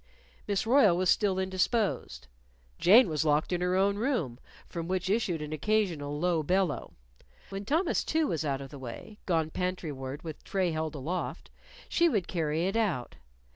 Miss Royle was still indisposed. Jane was locked in her own room, from which issued an occasional low bellow. When Thomas, too, was out of the way gone pantry ward with tray held aloft she would carry it out.